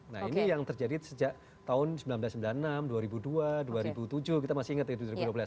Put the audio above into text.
nah ini yang terjadi sejak tahun seribu sembilan ratus sembilan puluh enam dua ribu dua dua ribu tujuh kita masih ingat ya dua ribu dua belas